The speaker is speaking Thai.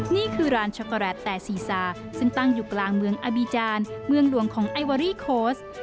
นี่คือร้านช็อกโกแลตแต่ซีซาซึ่งตั้งอยู่กลางเมืองอบีจานเมืองหลวงของไอเวอรี่โค้ช